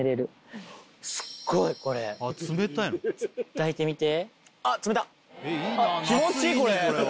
抱いてみて？